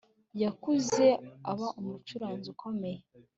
Yakuze aba umucuranzi ukomeye